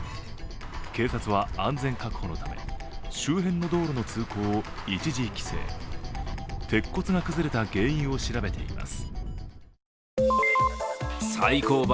警察は安全確保のため、周辺の道路の通行を一時規制、鉄骨が崩れた原因を調べています。